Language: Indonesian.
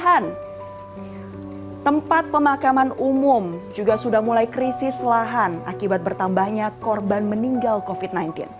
selain tempat pemakaman umum juga sudah mulai krisis lahan akibat bertambahnya korban meninggal covid sembilan belas